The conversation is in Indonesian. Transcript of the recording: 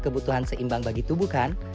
kebutuhan seimbang bagi tubuh kan